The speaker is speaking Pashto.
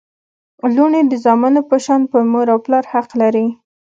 لوڼي د زامنو په شان پر مور او پلار حق لري